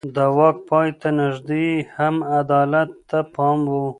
د واک پای ته نږدې يې هم عدالت ته پام و.